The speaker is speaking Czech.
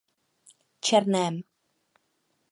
Černém.